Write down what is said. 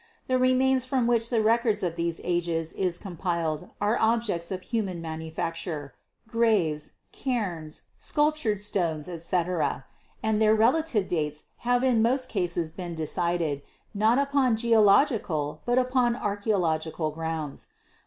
The remains from which the rec ord of these ages is compiled are objects of human manu facture, graves, cairns, sculptured stones, etc., and their relative dates have in most cases to be decided, not upon geological but upon archeological grounds.